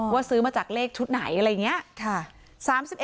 ซื้อมาจากเลขชุดไหนอะไรอย่างนี้